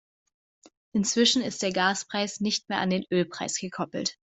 Inzwischen ist der Gaspreis nicht mehr an den Ölpreis gekoppelt.